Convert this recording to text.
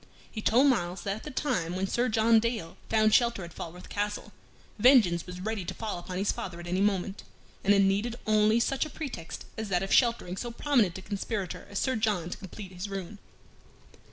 He told Myles that at the time when Sir John Dale found shelter at Falworth Castle, vengeance was ready to fall upon his father at any moment, and it needed only such a pretext as that of sheltering so prominent a conspirator as Sir John to complete his ruin.